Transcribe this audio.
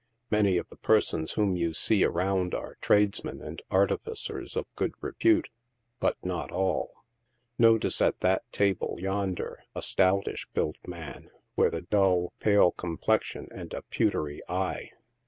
Many of the persons whom you see around are tradesmen and artificers of good repute, but not all. Notice at that table, yonder, a stoutish built man, with a dull, pale complexion and a pewtery eye.